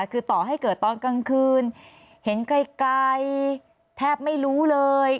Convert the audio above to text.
คือต่อให้เกิดตอนกลางคืนเห็นไกลแทบไม่รู้เลย